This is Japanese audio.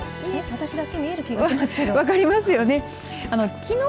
私だけ見える気がしますけど。